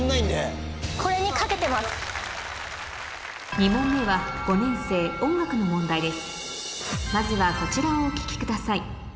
２問目は５年生音楽の問題です